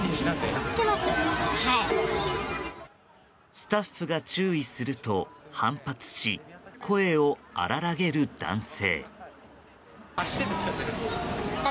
スタッフが注意すると反発し、声を荒らげる男性。